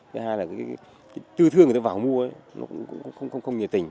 thứ hai là tư thương người ta vào mua nó cũng không nhiệt tình